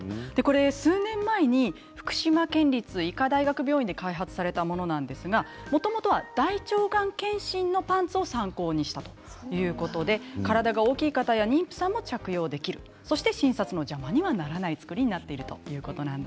数年前に福島県立医科大学病院で開発されたものでもともとは大腸がん検診のパンツを参考にしたもので体が大きい方や妊婦さんも着用できて診察の邪魔にならない作りになっているそうです。